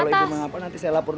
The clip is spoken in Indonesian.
kalau itu mengapa nanti saya lapor